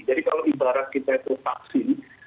jadi kalau ibarat kita itu vaksin